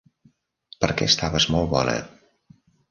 Perquè estaves molt bona.